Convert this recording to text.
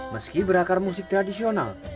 meski berakar musik tradisional